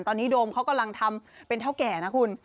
ตอนนี้โดมเขากำลังทำเป็นเท่าแก่นะคุณ